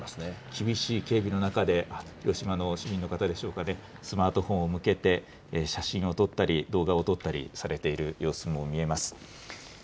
厳しい警備の中で、広島の市民の方でしょうかね、スマートフォンを向けて、写真を撮ったり、動画を撮ったりされている様子も見えます。